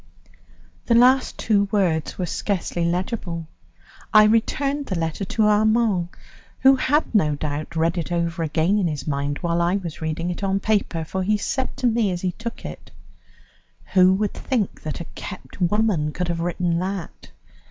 The last two words were scarcely legible. I returned the letter to Armand, who had, no doubt, read it over again in his mind while I was reading it on paper, for he said to me as he took it: "Who would think that a kept woman could have written that?"